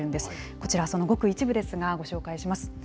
こちら、そのごく一部ですが、ご紹介します。